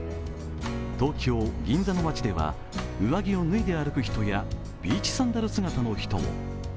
東京・銀座の街では上着を脱いで歩く人やビーチサンダル姿の人も。